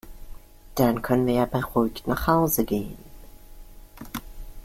Dann können wir ja beruhigt nach Hause gehen.